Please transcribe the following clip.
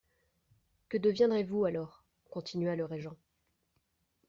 Que deviendrez-vous alors ? continua le régent.